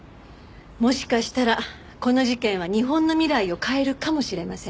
もしかしたらこの事件は日本の未来を変えるかもしれません。